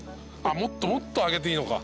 もっともっと上げていいのか。